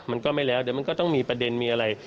มันก็ไม่แล้วเดี๋ยวมันก็ต้องมีประเด็นมีอะไร